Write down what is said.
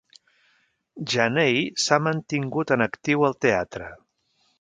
Janney s"ha mantingut en actiu al teatre.